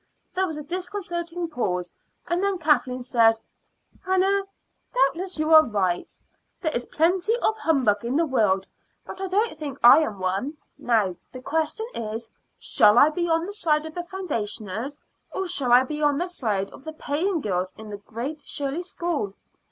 There was a disconcerting pause, and then Kathleen said: "Hannah, doubtless you are right. There is plenty of humbug in the world; but I don't think I am one. Now the question is: Shall I be on the side of the foundationers, or shall I be on the side of the paying girls in the Great Shirley School?"